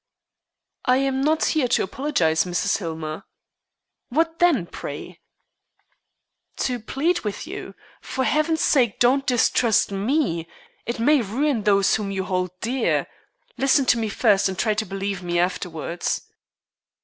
"I am not here to apologize, Mrs. Hillmer." "What then, pray?" "To plead with you. For Heaven's sake do not distrust me. It may ruin those whom you hold dear. Listen to me first, and try to believe me afterwards."